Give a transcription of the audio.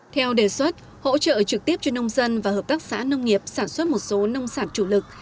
theo đề xuất hỗ trợ trực tiếp cho nông dân và hợp tác xã nông nghiệp sản xuất một số nông sản chủ lực